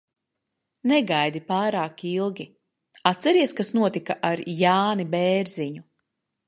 Negaidi pārāk ilgi. Atceries, kas notika ar Jāni Bērziņu?